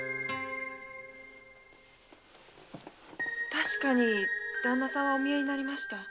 たしかに旦那さんはお見えになりました。